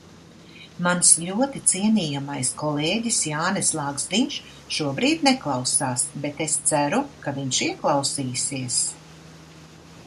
Mans ļoti cienījamais kolēģis Jānis Lagzdiņš šobrīd neklausās, bet es ceru, ka viņš ieklausīsies.